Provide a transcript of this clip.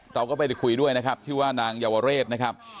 เราก็ไปคุยด้วยนะครับชื่อว่านางเยาวเรศนะครับ